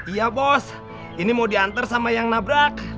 iya bos ini mau diantar sama yang nabrak